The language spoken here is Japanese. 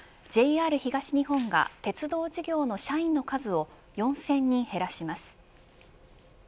ＪＲ東日本が鉄道事業の社員の数を４０００人減らします。